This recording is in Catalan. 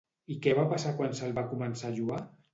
I què va passar quan se'l va començar a lloar?